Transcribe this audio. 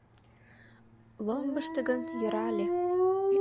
Ломбышто гын йӧра ыле...